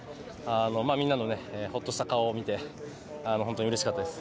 みんなのホッとした顔を見て、本当にうれしかったです。